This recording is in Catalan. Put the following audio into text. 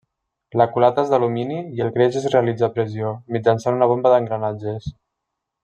La culata és d'alumini i el greix es realitza a pressió mitjançant una bomba d'engranatges.